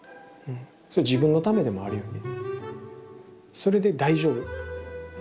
それ自分のためでもあるよね。